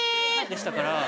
でしたから。